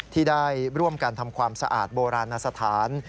ที่ได้ร่วมกันทำความสะอาดโบราณสถาน